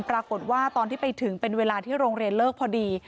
ตอนที่ไปถึงเป็นเวลาที่โรงเรียนเลิกพอดี